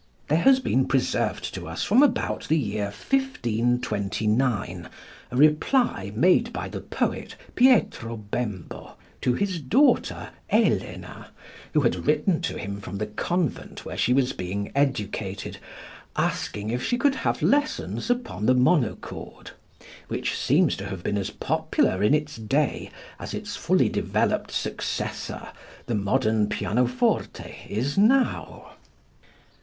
There has been preserved to us from about the year 1529 a reply made by the poet Pietro Bembo to his daughter Elena, who had written to him from the convent where she was being educated asking if she could have lessons upon the monochord, which seems to have been as popular in its day as its fully developed successor, the modern pianoforte, is now.